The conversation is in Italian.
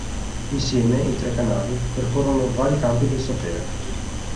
Insieme, i tre canali, percorrono vari campi del sapere.